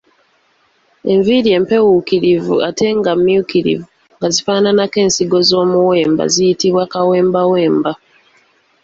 Enviiri empeewuukirivu ate nga mmyukirivu nga zifaananako ensigo z’omuwemba ziyitibwa kawembawemba.